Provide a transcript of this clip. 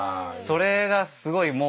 それがすごい